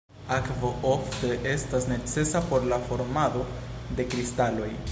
Akvo ofte estas necesa por la formado de kristaloj.